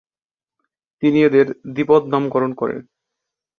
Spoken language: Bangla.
তিনি এদের দ্বিপদ নামকরণ করে।